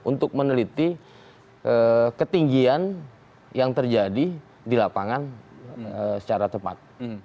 untuk meneliti ketinggian yang terjadi di lapangan secara tepat